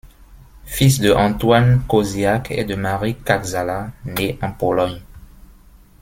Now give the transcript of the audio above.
Fils de Antoine Koziak et de Marie Kaczala, nés en Pologne.